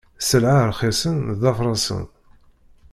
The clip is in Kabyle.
Sselɛa ṛxisen d afrasen.